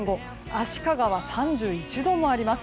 足利は３１度もあります。